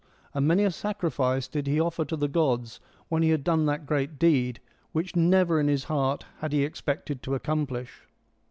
And many a sacrifice did he offer to the gods when he had done that great deed, which never in his heart had he expected to accomplish.